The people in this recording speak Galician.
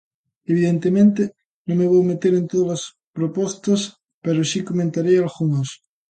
Evidentemente, non me vou meter en todas as propostas, pero si comentarei algunhas.